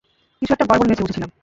কিছু একটা গড়বড় হয়েছে বুঝেছিলাম!